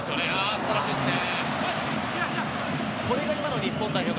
素晴らしいですね！